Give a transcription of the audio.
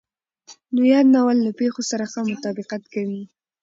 نو ياد ناول له پېښو سره ښه مطابقت کوي.